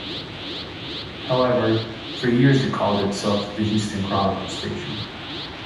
However, for years it called itself "The "Houston Chronicle" Station.